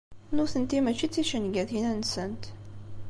Nutenti mačči d ticengatin-nsent.